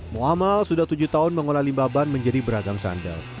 muhammad sudah tujuh tahun mengolah limba ban menjadi beragam sandal